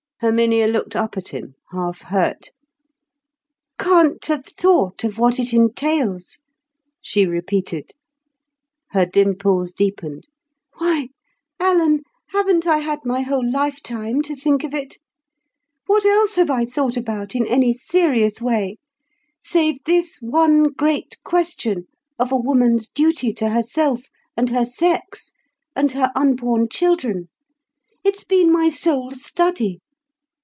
Herminia looked up at him, half hurt. "Can't have thought of what it entails!" she repeated. Her dimples deepened. "Why, Alan, haven't I had my whole lifetime to think of it? What else have I thought about in any serious way, save this one great question of a woman's duty to herself, and her sex, and her unborn children? It's been my sole study.